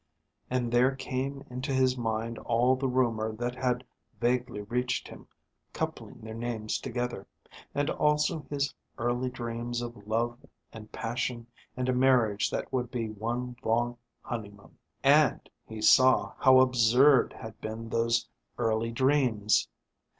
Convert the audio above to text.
And there came into his mind all the rumour that had vaguely reached him coupling their names together; and also his early dreams of love and passion and a marriage that would be one long honeymoon. And he saw how absurd had been those early dreams.